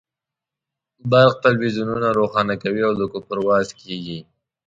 برق تلویزیونونه روښانه کوي او د کفر وعظ کېږي.